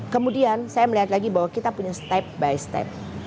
kemudian saya melihat lagi bahwa kita punya step by step